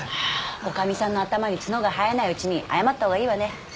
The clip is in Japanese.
女将さんの頭に角が生えないうちに謝ったほうがいいわね